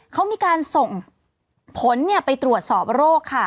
เขามีการส่งผลไปตรวจสอบโรคค่ะ